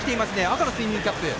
赤のスイムキャップ。